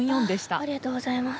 ありがとうございます。